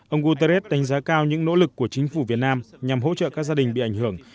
ông guterres đánh giá cao những nỗ lực của chính phủ việt nam nhằm hỗ trợ các gia đình bị ảnh hưởng